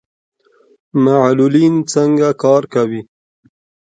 معلولین څنګه کار کوي؟